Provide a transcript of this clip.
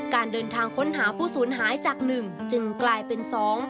การเดินทางค้นหาผู้ศูนย์หายจาก๑จึงกลายเป็น๒